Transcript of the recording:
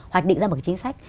hoặc định ra một cái chính sách